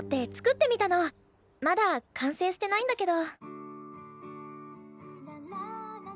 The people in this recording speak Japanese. まだ完成してないんだけど。